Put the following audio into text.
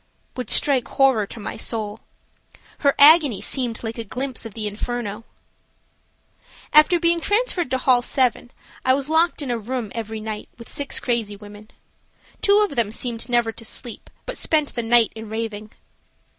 would strike horror to my soul. Her agony seemed like a glimpse of the inferno. After being transferred to hall 7 I was locked in a room every night with six crazy women. Two of them seemed never to sleep, but spent the night in raving.